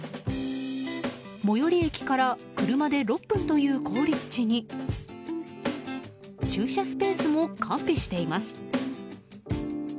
最寄り駅から車で６分という好立地に駐車スペースも完備しています。